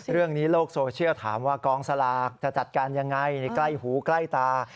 เรื่องนี้โลกโซเชียลถามว่ากองสลากจะจัดการอย่างไรใกล้หูใกล้ตา